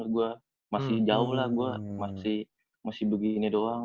gua masih jauh lah gua masih masih begini doang